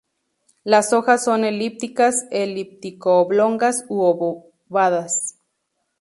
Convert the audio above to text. Las hojas son elípticas, elíptico-oblongas u obovadas.